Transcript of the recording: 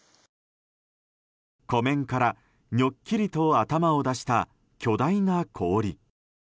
湖面からにょっきりと頭を出した巨大な氷。